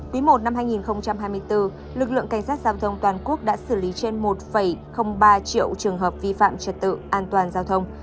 quý i năm hai nghìn hai mươi bốn lực lượng cảnh sát giao thông toàn quốc đã xử lý trên một ba triệu trường hợp vi phạm trật tự an toàn giao thông